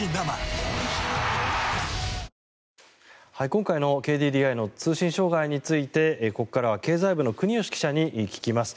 今回のＫＤＤＩの通信障害についてここからは経済部の国吉記者に聞きます。